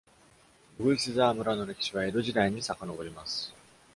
鶯沢村の歴史は江戸時代にさかのぼります。